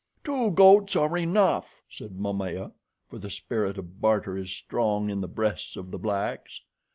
"Two goats are enough," said Momaya, for the spirit of barter is strong in the breasts of the blacks.